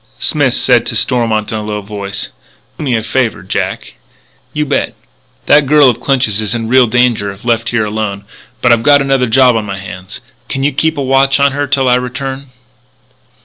Smith said to Stormont in a low voice: "Do me a favour, Jack?" "You bet." "That girl of Clinch's is in real danger if left here alone. But I've got another job on my hands. Can you keep a watch on her till I return?"